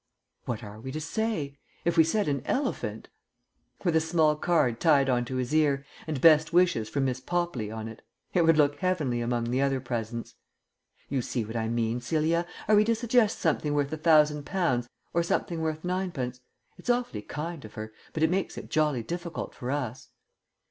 "What are we to say? If we said an elephant " "With a small card tied on to his ear, and 'Best wishes from Miss Popley' on it. It would look heavenly among the other presents." "You see what I mean, Celia. Are we to suggest something worth a thousand pounds, or something worth ninepence? It's awfully kind of her, but it makes it jolly difficult for us."